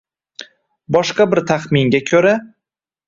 Boshqa bir taxminga koʻra